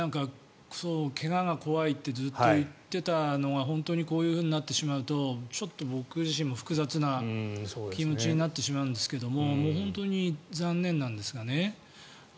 怪我が怖いってずっと言っていたのが本当にこういうふうになってしまうとちょっと僕自身も複雑な気持ちになってしまうんですが本当に残念なんですが。